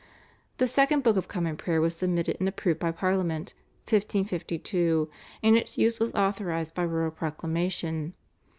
The second Book of Common Prayer was submitted and approved by Parliament (1552), and its use was authorised by royal proclamation.